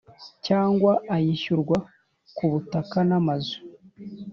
cyangwa ayishyurwa ku butaka n amazu